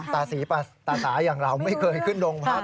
ตาสีตาสาอย่างเราไม่เคยขึ้นโรงพัก